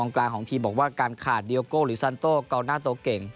กลางของทีมบอกว่าการขาดดิโยโกหรือซัลโตเก่ง